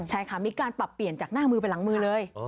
ใช่ค่ะมีการปรับเปลี่ยนจากหน้ามือไปหลังมือเลย